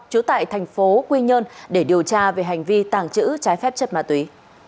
trú tại thành phố quy nhơn để điều tra về hành vi tàng trữ trái phép chất ma túy